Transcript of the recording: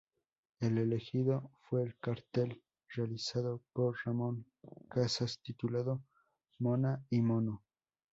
El elegido fue el cartel realizado por Ramón Casas titulado "Mona y mono".